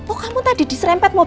oh kamu tadi diserempet